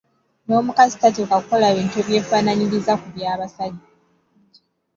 N’omukazi tateekwa kukola bintu eby'efaananyiriza ku bya musajja.